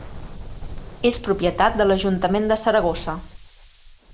És propietat de l'Ajuntament de Saragossa.